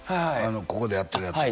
ここでやってるやつあっ